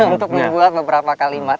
untuk membuat beberapa kalimat